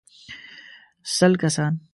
سل کسان.